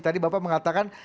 tadi bapak mengatakan